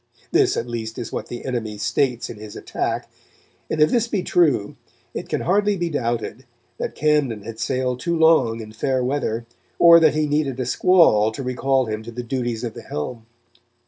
This, at least, is what the enemy states in his attack, and if this be true, it can hardly be doubled that Camden had sailed too long in fair weather, or that he needed a squall to recall him to the duties of the helm.